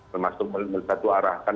termasuk bersatu arahkan